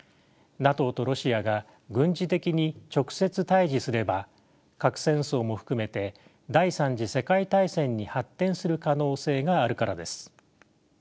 ＮＡＴＯとロシアが軍事的に直接対峙すれば核戦争も含めて第３次世界大戦に発展する可能性があるからです。